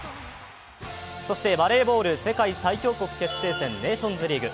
そしてバレーボール世界最強国決定戦ネーションズリーグ。